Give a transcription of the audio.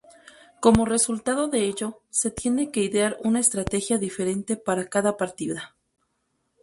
Como resultado de ello, se tiene que idear una estrategia diferente para cada partida.